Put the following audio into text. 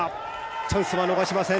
チャンスは逃しません